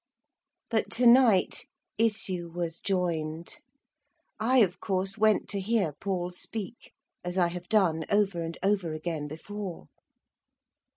But, to night, issue was joined. I, of course, went to hear Paul speak, as I have done over and over again before.